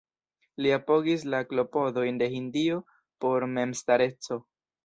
Li apogis la klopodojn de Hindio por memstareco.